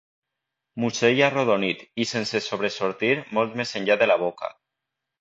Musell arrodonit i sense sobresortir molt més enllà de la boca.